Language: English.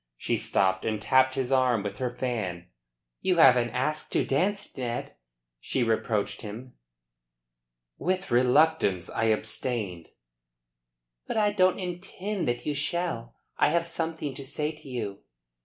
She stopped and tapped his arm with her fan. "You haven't asked to dance, Ned," she reproached him. "With reluctance I abstained." "But I don't intend that you shall. I have something to say to you."